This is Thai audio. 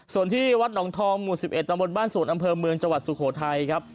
ส่วนที่วัดหนองทองหมู่๑๑ตำบลบ้านสวนอำเภอเมืองจังหวัดสุโขทัยครับ